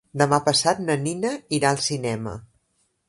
Demà passat na Nina irà al cinema.